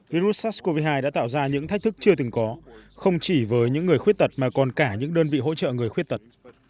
virus sars cov hai đã tạo ra những thách thức chưa từng có không chỉ với những người khuyết tật mà còn cả những đơn vị hỗ trợ người khuyết tật